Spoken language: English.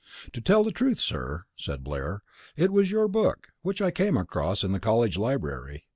"To tell the truth, sir," said Blair, "it was your book, which I came across in the college library.